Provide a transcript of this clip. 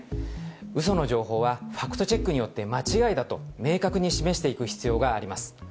うその情報はファクトチェックによって、間違いだと明確に示していく必要があります。